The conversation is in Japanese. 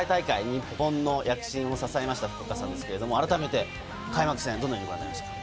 日本の躍進を支えました福岡さんですが、改めて開幕戦、どのようにご覧になりましたか？